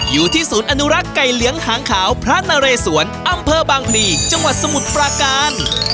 อยู่ที่ศูนย์อนุรักษ์ไก่เลี้ยงหางขาวพระนเรสวนอำเภอบางพลีจังหวัดสมุทรปราการ